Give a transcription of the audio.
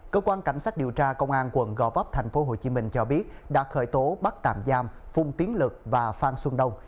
cơ quan cảnh sát điều tra công an quận gò vấp tp hcm cho biết đã khởi tố bắt tạm giam phung tiến lực và phan xuân đông